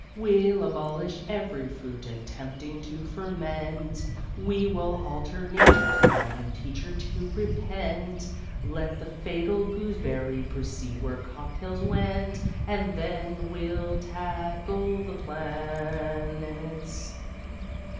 We'll abolish every fruit attempting to ferment We will alter Nature's laws and teach her to repent: Let the fatal gooseberry proceed where cocktails went, And then we'll tackle the planets.